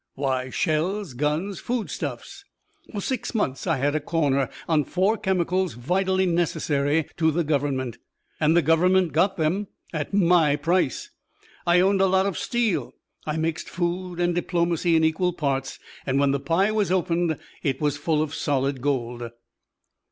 Why, shells, guns, foodstuffs. For six months I had a corner on four chemicals vitally necessary to the government. And the government got them at my price. I owned a lot of steel. I mixed food and diplomacy in equal parts and when the pie was opened, it was full of solid gold."